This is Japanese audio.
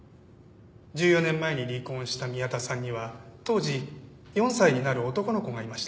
１４年前に離婚した宮田さんには当時４歳になる男の子がいました。